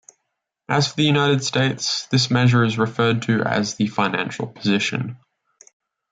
As for the United States, this measure is referred to as the financial position.